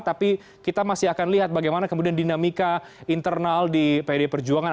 tapi kita masih akan lihat bagaimana kemudian dinamika internal di pd perjuangan